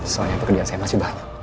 soalnya pekerjaan saya masih banyak